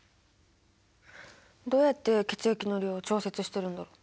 どうやって血液の量を調節してるんだろう？